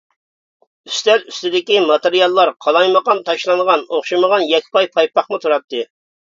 ئۈستەل ئۈستىدىكى ماتېرىياللار قالايمىقان تاشلانغان ئوخشىمىغان يەكپاي پايپاقمۇ تۇراتتى.